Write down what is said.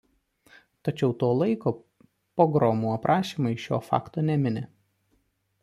Tačiau to laiko pogromų aprašymai šio fakto nemini.